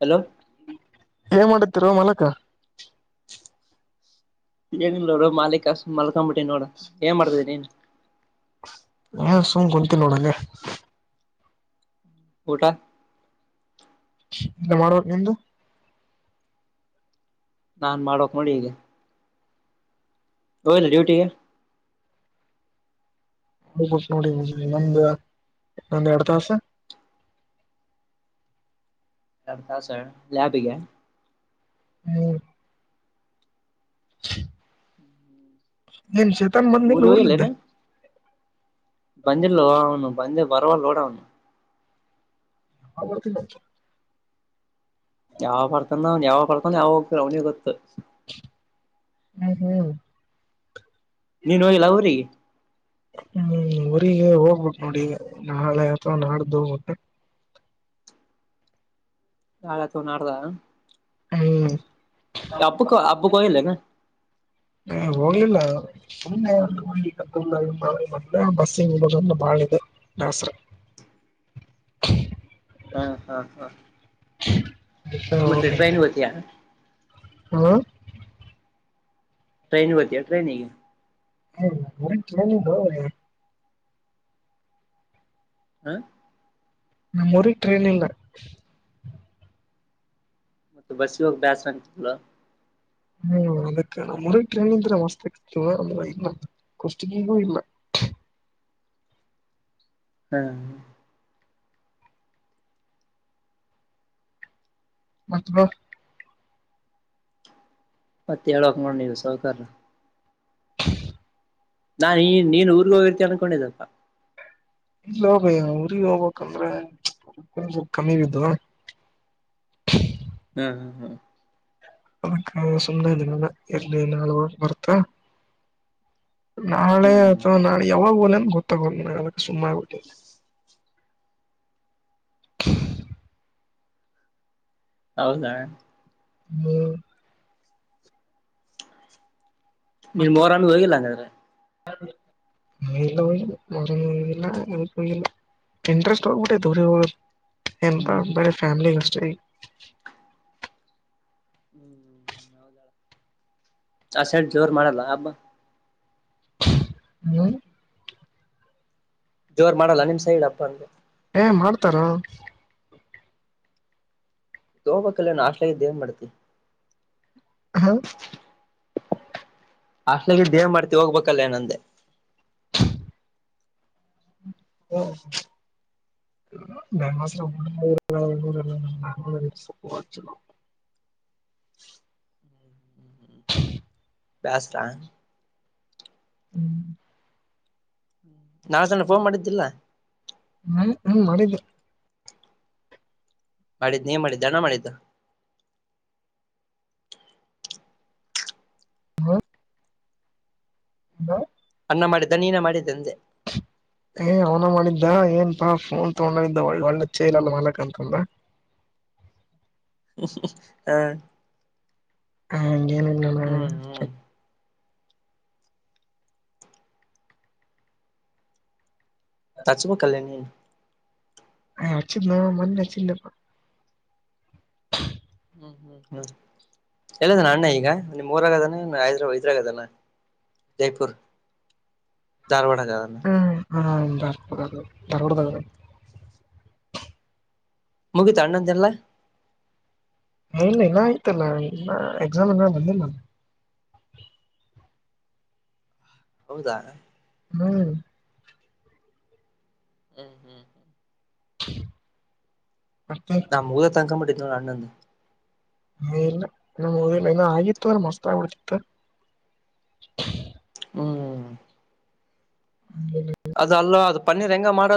Hello [inaudible] ಏ ಮಾಡತಿೀರ ಮಲಕ [inaudible] ಏನಿಲ್ಲ ನೋಡ ಮಾಲಿಕಸ್ ಮಲ್ಕೊಂಬಿಟ್ಟಿ ನೋಡ ಏನ್ ಮಾಡ್ತಿದೀನಿ ನೀ [inaudible] ಹಏ ಸುಮ್ ಕುಂತೀ ನೋಡಲ್ಲ [inaudible] ಊಟಾ [inaudible] ಎಲ್ಲ ಮಾಡಬೇಕ ನಿ್ದು [inaudible] ನಾನ್ ಮಾಡೋಕ್ ನೋಡಿ ಈಗ [inaudible] ಹಲ್ಲ ಡ್ಯೂಟಿಗೆ [inaudible] ಹಬ ನೋಡಿ ನಮ್ದ ನಂದ್ ಎರಡ್ ತಾಸ [inaudible] ಅರ್ಥ ಸರ್ ಲಯಾಬಿಗೆ [inaudible] ಹ್ಮ ನೀನ್ ಚೇತನ್ ಬಂದ ಊರ್ಲಿದ್ದೆ ಬಂದಿಿಲ್ಲ ಅವನು ಬಂದೆ ಪರವಾಗಿಲ್ಲೋಡ ಅವನು [inaudible] ಆಬರ್ತಿ [unintelligible] ಯಾವ ಬರ್ತಾನ ಅವ್ ಯಾವ ಬರ್ತಾನ ಯಾವ ಹೋಗ್ತ ಅವ್ನಿಗೆ ಗೊತ್ತು [inaudible] ಹ್ಮ ಹ್ಮ್ [inaudible] ನೀನು ಹೋಗಲ್ಲ ಊರಿ [inaudible] ನೋಡಿಗೆ ಹೋಗ್ಬಿಟ್ಟು ನೋಡಿ ನಾಳೆ ಅಥವಾ ನಾಡ್ದು ಹೋಗಬೆ [inaudible] ನಾಳೆ ತ ನಾದಾ [inaudible] ಹ್ಮ್ ಅಪ್ಪ ಅಬ ಕ ಹಲ್ಲನು [inaudible] ಹ ಹೋಗ್ಲಿಲ್ಲ [inaudible] ಸೊಮ್ಮೆಳ ಮೆ ಬಸ್ಸ ಹಡ ಬಾಳ ಇಿದೆ ದಾಸರ [inaudible] [inaudible] ಹಾ ಹಾ ಹಾ [inaudible] ಮತ್ತೆ ಟ್ರನ್ ಗತಿಯಾ [inaudible] ಹಾ [inaudible] ್ರೇನ ವತ ್ರೇನ ಇಿಗೆ [inaudible] ಹ್ಮ್ರ [inaudible] ಹ [inaudible] [inaudible] ನಮ್ಮ ಮುರ ಟ್ರನಲ್ಲ ಮತ್ತೆ ಬಸ್ಸಿ ಹೋಗಿ ಬೇಸ್ವಂತಲ್ಲ ಹ್ಮ್ ಅದಕ್ಕ ನಮ್ಮ್ ಮುರಗ್ನಂದ್ರೆ ಮಸ್ತ್ ಆಗ್ ಅಂದ್ರ ಇಲ್ಲ [inaudible] [inaudible] ಕುಷ್ಟಗಗೂ ಇಲ್ಲ [inaudible] ಹ್ಮ [inaudible] ಮತ್ತಲ [inaudible] ಮತ್ಎಳ್ಕ್ ನೋಡ ನೀವು ಸಹಕಾರ [inaudible] ನಾನ್ ನೀ ನೀನ್ ಊರ್ಗ ಹೋಗಿರ್ತೀ ಅನ್ಕೊಂಡಿದಪ್ಪ [inaudible] ಇಲ್ಲ ಹೋಗ ಊ್ರರಿಗೆ ಹೋಗ್ಬೇಕಕ್ಂದ್ರೆಲ್ ಕಮ್ಮಿ ಇದಿದು [inaudible] [inaudible] ಹ್ಮ್ ಹ್ಮ್ ಹಾ್ [inaudible] ಅದಕ್ಕ ಸುಮ್ನೆ ಇದನಲ್ಲ ಎಲ್ಲಿ ನಾಳುವ ಬರ್ತ [inaudible] ನಾಳೆ ಹ್ಮ್ ಅಥವಾ ನಾಳೆ ಯಾವಾಗ ಲ್ಲಂದ ಗೊತ್ತಾಗೋ ನ ಸುಮ್ಮನೆ ಆಗಿಲ್ಲ [inaudible] [unintelligible] ಹೌದಾ [inaudible] ಹ್ಮ್ ನಿನ್ ಮೋರಾಮ್ದ ಹೋಗಿಲ್ಲ ಅಂಗಾದ್ರೆ [inaudible] ಹ [inaudible] ಹಲ್ಲ ಮರಲ್ಲಲ್ಲ ಇಂಟ್ರೆಸ್ಟ್ ಆಗ ಕಊಟೆ ದೂರ ಎಪ ಹ್ಮ್ ಬಳ ಫ್ಯಾಮಿಲಿಿ ಕಷ್ಟ ಈ [inaudible] ಹ್ಮ್್ಮ [inaudible] ಅಸೆ ಜೋರ್ ಮಾಡಲ್ಲ ಹಬ್ಬಾ [inaudible] ನೀ್ಮ [inaudible] ಜೋರ್ ಮಾಡಲ್ಲ ನಿಮ್ ಸೈಡ್ ಹಪ್ಪ ಅಂದ [inaudible] ಏ ಮಾಡ್ತಾರಾ [inaudible] ತೋಬ ಕಲ್ಲ ನಾಶಲಾಗಿದ್ದೇವ್ ಮಾಡ್ತಿ [inaudible] ಹ ಅಲಕ್ಕೆ ದವ ಮಾರತ [inaudible] ಹೋಗ್ಬೇಕಲ್ಲ ನಂದೆ [inaudible] ಹಾ [inaudible] [inaudible] [unintelligible] ಬಸ್ಟಾನ್ [inaudible] ಹ್ಮ್ [inaudible] ನಾ ಸಣ್ಣ ಫೋನ್ ಮಾಡಿದ್ದಿಲ್ಲ [inaudible] ಹ್ಮ ಹ ಮಾಡಿದ್ದೆ [inaudible] ಮಾಡಿದ್ದ ನೀ ಮಾಡಿದ್ದಣ ಮಾಡಿದ್ದ [inaudible] ಹ [inaudible] ಹ [inaudible] ಮಾಡಿದ್ದೆ ನೀನ ಮಾಡಿದ್ದ ಅೆ [inaudible] [unintelligible] ಏ ಅವ್ನ ಮಾಡಿದ್ದ ಏನ್ಪಾ ಫೋನ್ ತಗೊಂಡಿದ್ದ ಒ ಒಳ್ಳೆ ಚೆ ಇಲ ಅಲ್ಲ ಮಲಕ್ ಅಂತಂದ್ರ [inaudible] ಹಾ [inaudible] ಹಾಂಗೇನಲ್ಲ ಹ್ಮ್ [inaudible] ತಚ ಪಕ್ಕಲ್ಲೇನ [inaudible] ಹ ಚಿ ನ ಮನ್ನ ಚಿನ್ನಪ್ಪ [inaudible] ಹ್ಮ್ ಹ್ಮ್ ಹ್ಮ್ ಎಲ್ಲದಾನ ಅಣ್ಣ ಈಗ ನಿಮ್ ರಾಗ ಅದಾನ ಐದ್ರ ಐದ್ರಾಗ ಅದಾನ [inaudible] ಜಯಪುರ್ ಧಾರವಾಡ. ಹಾರ್ ಧರ್ಡ [unintelligible] ಮುಗುತ್ ಅನ್ನಂದ ಎಲ್ಲ. ಇ ಇಲ್ಲ ಆಐತಲ್ಲ ಎಕ್ಸಾಮ್ ಎಲ್ಲ ಬಂದಿಲ್ಲ [inaudible] ಹೌದಾ [inaudible] ಹ್ಮ್ [inaudible] ಹ್ಮ್ ಹ್ಮ್ ಹ್ಮ್ [inaudible] [unintelligible] ನಾ ಮಊರ ತಂಗ ಮ ಇದ ಅ್ಣ ಅಂದೆ [inaudible] ಹ ಇಲ್ಲ ಇ ಹದಿಲ್ಲ ಇನ್ನು ಆಗಿತ್ತು್ರ ಮಸ್ತ್ ಆಗ್ಬಿಡ್ತಿತ್ತು [inaudible] ಹ್ಮ [inaudible] ಅದ ಅಲ್ಲ ಅದು ಪನ್ನಿ ರಂಗ ಮಾ [inaudible]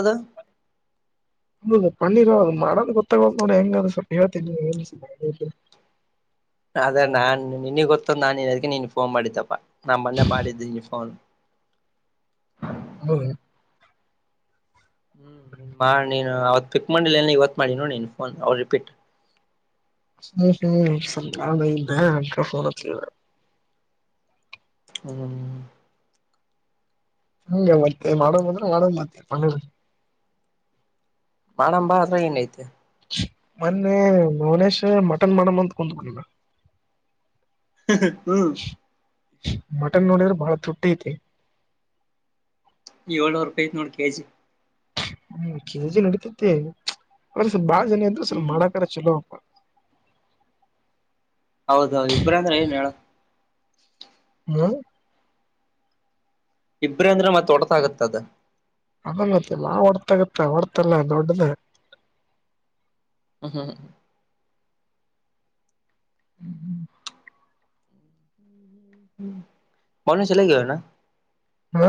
ಹ ಪನ್ನಿರದು [unintelligible] ಗೊತ್ತಗೋ್ ನೋಡಿ ಹೆಂಗ ಸ್ವಲ್ಪ ಹೇಳ್ತೀನಿ [unintelligible] ಅದೇ ನಾನ್ ನಿನಗ್ ಗೊತ್ತಂದ ನಾನನ್ನ್ ಅದಕಿ ನೀನ್ ಫೋನ್ ಮಾಡಿದ್ದಪ್ಪ ನಮ್ಮ ಮೊನೆೆ ಮಾಡಿದ್ದ ನಿನ್ ಫೋನ್. ಹಾ ರಿ. ಹ್ಮ್ ನೀನ್ ನೀನ್ ಅವತ್ ಪಿಕ್ ಮಾಡಿಲ್ಲ ಎಲ್ಲ ಇವತ್ತು ಮಾಡಿ ನೋ ನೀನ್ ಫೋನ್ ಅವ ರಿಪೀಟ್. ಹ್ಮ್ ಹ್ಮ್ [unintelligible] ಹ್ಮ್. ಹಂಗ ಮತ್ತೆ ಮಾಡ ಮಾಡಡ ಮತ್ತೇ. ಮಳ ಬಾರ ರನ ಇತೆ. ಮನ್ನೆ ಮನೇಶ ಮಟನ್ ಮಣಮ ಅಂತ ಕುಂದುಕಿಲ್ಲ. ಹ್ಮ್. ಮಟನ್ ನೋಡುದ್ರೆ ಬಾಳ ತೃಪ್ತಿ ಅಯ್ತೆ. ಏಳ್ನೂರು ರೂಪಾಯಿ ಐ ನೋಡ್ ಕೆಜಿ. ಹ್ಮ್ ಕಿಲಜಿ ನಡಿತೈತಿ ಅವ್ರ ಸ್ವಲ್ ಬಾಳ ಜನ ಅಂದರು ಸ್ವಲ್ಪ ಹ್ಮ್ ಮಾಡಕ ಚಲೋಪ್ಪ. ಹೌದೌದು ಇಬ್ರ ಅಂದ್ರೆ ಏನ್ ಹೇಳ. ಹ್ಮ. ಇಬ್ರ ಅಂದ್ರೆ ಮತ್ತೊಡತ ಆಗತ್ತ ಅದ. ಅದಲ್ಲತ್ತ ನಾವ್ ಹೊಡ್ತ ಆಗತ್ತ ಹೊಡ್ತಲ್ಲ ದೊಡ್ಡದೇ. ಹ್ಮ ಹ್ಮ ಹ್ಮ್ಮ. ಹ್ಮ್ ಹ್ಮ್. ಬರ್ೆ ಚಲಗಣ. ಹಾ.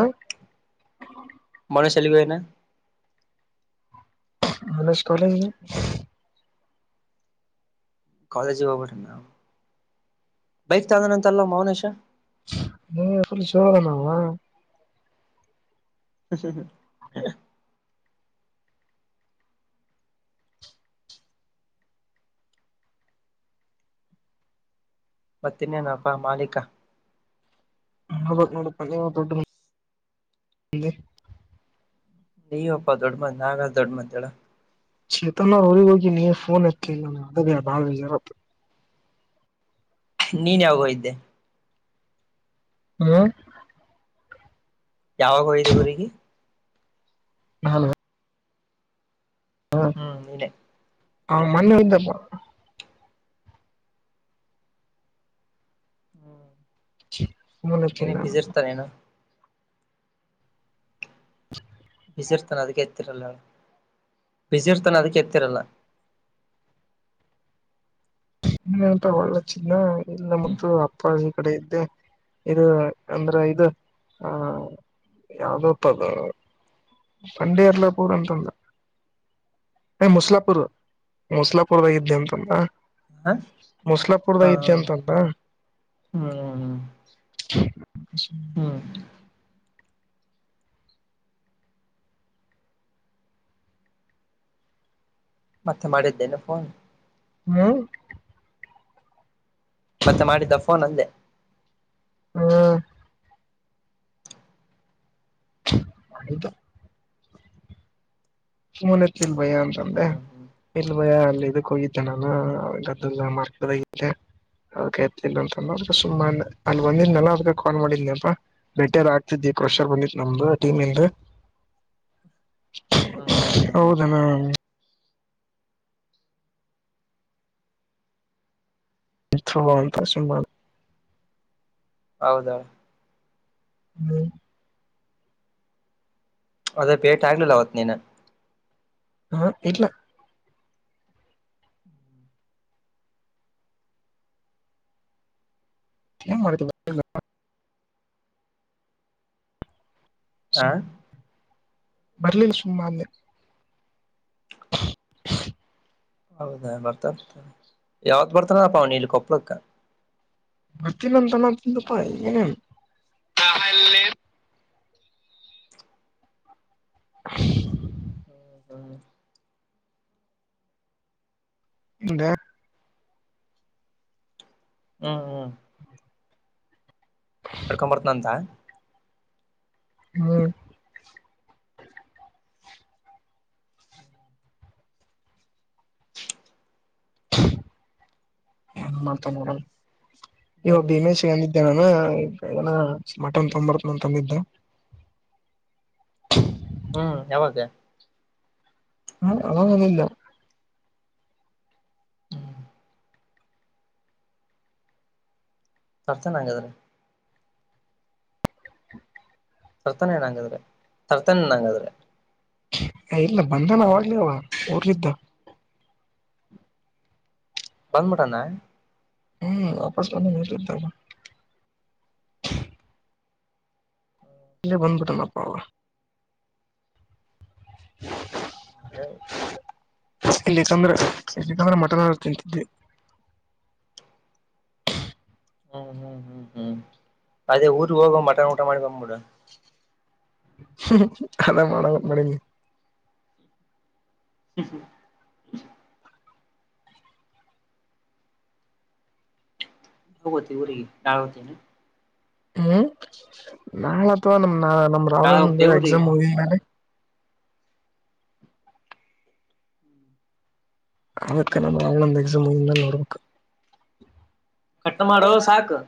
ಕಣ ಚಾಲಗನ. ಆನಸ್ ಕಾಲೇಜ್ [unintelligible] ಕಾಲಜಿ ಒಬಟ ಬೈಕ್ ಚಾದ ನಂತ ಅಲ್ಲ ಮೌನಶ. ಹ ಶೋಣ. [unintelligible] ಪತ್ತಿನೇನಪ ಮಾಲಿಕ. ಹ ನೋಡ ಪನ್ನ ತೊಟ. ನೀವಪ್ಪಾ ದೊಡ್ಡ ಮಂದ್ ನಾಗ ದೊಡ್ಡ ಮಂದಡ. ಚೇತನ ಹಡಿ ಹೋಗಿ ನೀಫೋನ್ ಎಲಿ ನ ಅದ ಬ ಭಾವ ಜಾರ. ನೀನ್ ಯಾವಾಗೋ ಇದ್ದೆ. ಹ್ಮ. ಯಾವಾಗ ಯೋಗಿದೆ ಊರಿಗೆ. [unintelligible] ಹ್ಮ್ ಹಂಗೆ. ಹ ಮಣ್ಣು [unintelligible] ಹ್ಮ್. ಫೋನ್ ನನೆ ಎತ್ತಿಲ್ಲ ಬಿಸಿಿರ್ತಾನೇನ ಬಿಸಿಿರ್ತಾನ ಅದಕ್ಕೆ ಎತ್ತರಲ್ಲಳ ವಿಚೀರ್ತನ್ ಅದಕ್ಕೆ ಎತ್ತರಲ್ಲ ಇ ಎಂತ ಒಳ್ಳೆ ಚಿನ್ನ ಇಲ್ಲ ಮ ಅಪ್ಪಿ. ಕಡೆ ಇದ್ದೆ ಇದು ಅಂದ್ರೆ ಇದು ಆ. ಯಾವ್ದಪ್ಪದ ಂಡಿರ್ಲ್ಲ ಪೂರಂತಂದ. ಏ ಮುಸ್ಲಾಪುರ್ ಮುಸ್ಲಾಪುರ್ದಾಗ ಇದಿದ್ದೆ ಅಂತಂತ. ಹ ಮುಸ್ಲಾಪುರ್ದ ಹ ಇದ್ದೆ ಅಂತಂತ. ಹ್ಮ್ ಹ್ಮ್ ಹ್ಮ್. ಮತ್ತೆ ಮಾಡಿದ್ದೇನೆ ಫೋನ್. ಹ್ಮ. ಮತ್ತೆ ಮಾಡಿದ್ದ ಫೋನ್ ಅಂದೆ. ಹ್ಮ ಹ ಸುಮನೆತ್ ನಿಲ್ ಭಯ ಅಂತಂದೆ ಹ್ಮ್ ಹ್ಮ್ ಇಲ್ ಭಯ ಅಲ್ಲಿ ಇದಕ್ ಹೋಗಿತೆ ಹ್ಮ್ ನಾನು ಅವ ಮಾರ್ಗದಲ್ಲ ಅಂತ ಸುನೆ ಅಲ್ವ ಬಂದಿದ್ ನ ಅದ ಕಾಲ್ ಮಾಡಿದನ ಬೇಟರ್ ಆಗ್ತಿದ್ಿ ಕ್ರೆಷರ್ ಬಂದಿತ್ ನಮ್ದು ಟೀಮಂದ ಹ್ಮ್ ಹ್ಮ್ ಹ್ಮ್ ಹೌದನ ಇಥಬಂತ ಸಂಬ ಹೌದಾ ಹ್ಮ ಅದೇ ಪೇಟ ಆಗಲಲ್ಲ ಹೊತ್ ನೀನು ಹಾ ಇಟ್ಲ ಏನ್ ಮಾಡತ ಆ ಬರ್ಲಿಲ್ಲ ಸುಮ್ಮ ಅಲ್ಲೆ [inaudible] ಹೌದಾ ಬರ್ತಾ ಬರ್ತ ಯಾವ್ದ ಬರ್ತಾನಪ್ಪ ಅವನ ಇಲ್ ಕೊಪ್ಳಕ್ಕ ಬರ್ತೀನ ಅಂತಾನ ತಿಿಂದಪ್ಪಏನ [inaudible] ಹ್ಮ್ ಹ್ಮ್ ಅ ಹ್ಮ ಹ್ಮ ಹ್ಮ ಕಡ್ಕಂಡ್ ಬರ್ತನಂತ. ಹ್ಮ ಏ ಮಾತಾನಾೋಡ ಇವ ನೋಡು ಭೀಮೆ ಸಿಗಂದಿದ್ದೇ ನ ನ ಸ ಮಟಂದ ತೊಂಬರ್ತನ ತಂದಿದ್ದ ಹ್ಮ್ ಯಾವಾಗ ಹಾ ಅಿಲ್ಲ ಹ್ಮ್ ಸರ್ಚನಾಂಗ ಅದ್ರ [inaudible] ತರ್ತಾನ ಏನಂಗಿದ್ರೆ ತರ್ತಾನ ನಂಗಿದ್ರೆ ಇಲ್ಲ ಬಂದ ನಾಗ್ಲವ ಊರಿದ್ದ ಬಂದ ಮುಟಾನ ಹ್ಮ ಅಪಸ್ ಮಂದತ ತು ಇಲ್ಲ ಬಂದ್ಬಿಟನಪ್ಪ ಇಲ್ಲಿಕಂದ್ರೆ ಎಷ್ಟೇಕಂದ್ರೆ ಮಟನ್ ಹ ತಿಂತಿದ್ದಿ ಹ್ಮ್ ಹ್ಮ್ ಹ್ಮ್ ಹ್ಮ್ ಅದೇ ಊರಿಗೆ ಹೋಗುವ ಮಟನ್ ಊಟ ಮಾಡಿ ಬ್ಬಿಡ ಅ ಮಾಡಳ ಮಾಡಡಿಿ ಹ್ಮ ಹತಿ ಬ ಡಾಳೋತಿ ಹ್ಮ್ ನಾಳ ಅಥವಾ ನಮ ನಮ್ ನಾಳೆ ರಾವ ಹೋಗ್ತೇ ಊರಿಗೆ ಎಕ್ಸಾಮ್ ಹೋಗಿದ ಮೇಲೆ ಅವಕನ ನಾವಳಸ ಮುಲ್ಲ ಕಟ್ ಮಾಡೋ ಸಾಕು